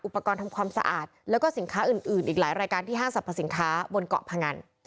อุปกรณ์ทำความสะอาดแล้วก็สินค้าอื่นอีกหลายรายการที่ห้างสรรพสินค้าบนเกาะพงัน